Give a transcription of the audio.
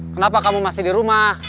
kenapa kamu masih di rumah